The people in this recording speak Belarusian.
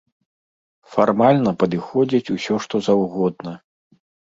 Фармальна падыходзіць усё што заўгодна.